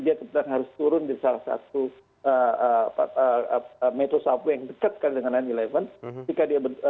dia kemudian harus turun di salah satu metro subway yang dekat dengan line sebelas